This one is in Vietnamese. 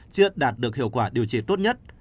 chưa đạt được hiệu quả điều trị tốt nhất